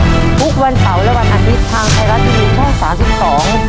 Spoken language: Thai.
ทุกวันเสาระวันอาทิตย์ทางไทยรัสทีวีช่อง๓๒